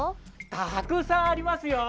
たくさんありますよ！